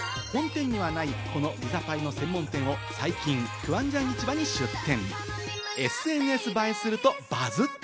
本店にはないこのピザパイの専門店を最近クアンジャン市場に出店。